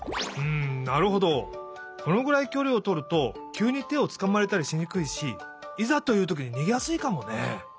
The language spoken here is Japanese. このぐらいきょりをとるときゅうにてをつかまれたりしにくいしいざというときににげやすいかもね。